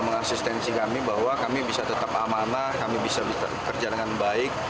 mengasistensi kami bahwa kami bisa tetap amanah kami bisa kerja dengan baik